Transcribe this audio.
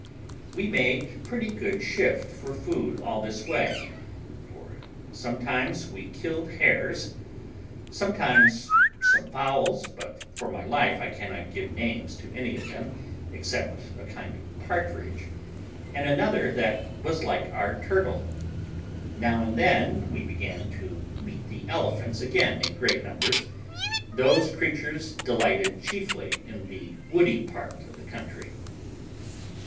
We made pretty good shift for food all this way; for sometimes we killed hares, sometimes some fowls, but for my life I cannot give names to any of them, except a kind of partridge, and another that was like our turtle. Now and then we began to meet with elephants again in great numbers; those creatures delighted chiefly in the woody part of the country.